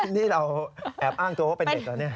นี่เราแอบอ้างตัวว่าเป็นเด็กเหรอเนี่ย